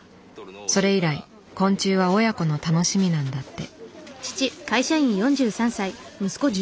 それ以来昆虫は親子の楽しみなんだって。